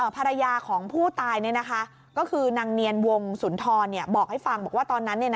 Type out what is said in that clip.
ภรรยาของผู้ตายก็คือนางเนียนวงสุนทรบอกให้ฟังบอกว่าตอนนั้น